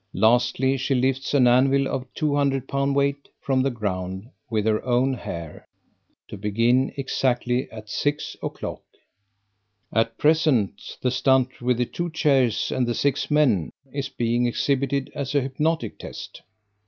Lastly, she lifts an anvil of 200 pound weight from the ground with her own hair. To begin exactly at six o'clock. At present the stunt with the two chairs and the six men is being exhibited as a hypnotic test.